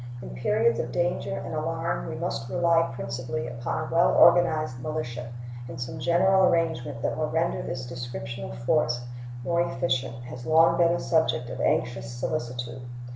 In periods of danger and alarm we must rely principally upon a well organized militia, and some general arrangement that will render this description of force more efficient has long been a subject of anxious solicitude.